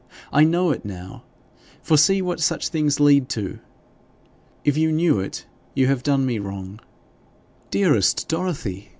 I know it now, for see what such things lead to! If you knew it, you have done me wrong.' 'Dearest Dorothy!'